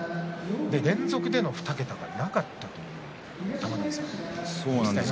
連続での２桁はなかったという玉ノ井さんです。